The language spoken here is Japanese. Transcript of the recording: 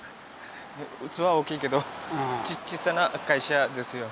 器は大きいけどちっさな会社ですよ。